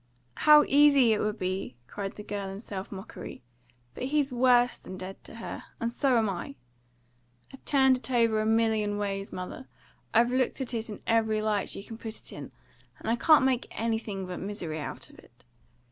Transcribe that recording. "How easy it would be!" cried the girl in self mockery. "But he's worse than dead to her; and so am I. I've turned it over a million ways, mother; I've looked at it in every light you can put it in, and I can't make anything but misery out of it.